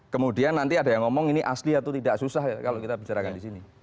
kemudian nanti ada yang ngomong ini asli atau tidak susah ya kalau kita bicarakan di sini